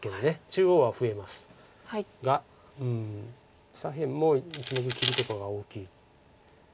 中央は増えますが左辺も１目切りとかが大きい。